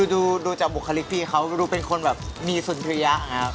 ดูจับบุคลิปภีร์เขาดูเป็นคนแบบมีสุนเทรียะ